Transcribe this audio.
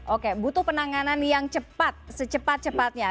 oke butuh penanganan yang cepat secepat cepatnya